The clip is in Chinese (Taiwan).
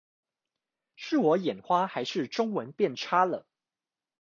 是我眼花還是中文變差了？